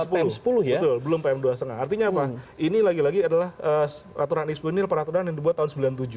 betul belum pm dua lima artinya apa ini lagi lagi adalah peraturan yang dibuat tahun seribu sembilan ratus sembilan puluh tujuh